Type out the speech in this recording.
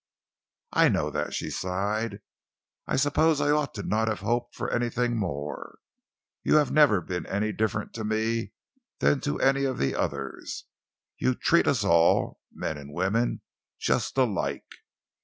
"I know that," she sighed. "I suppose I ought not to have hoped for anything more. You've never been any different to me than to any of the others. You treat us all, men and women, just alike.